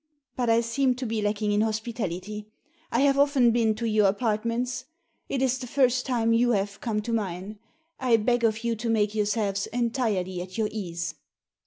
But I seem to be lacking in hospitality. I have often been to your apartments. It is the first time you have come to mine. I beg of you to make yourselves entirely at your ease."